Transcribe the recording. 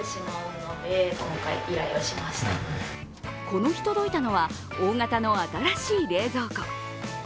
この日届いたのは、大型の新しい冷蔵庫。